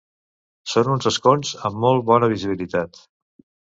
Són uns escons amb molt bona visibilitat.